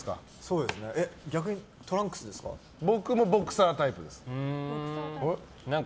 ボクサータイプですか。